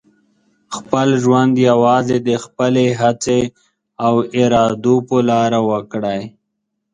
خپل ژوند یوازې د خپلې هڅې او ارادو په لاره وکړئ.